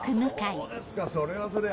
そうですかそれはそれは。